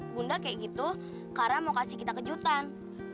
bunda kayak gitu karena mau kasih kita kejutan